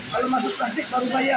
kalau masuk praktik baru bayar